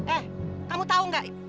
eh kamu tau gak